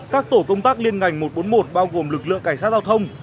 các tổ công tác liên ngành một trăm bốn mươi một bao gồm lực lượng cảnh sát giao thông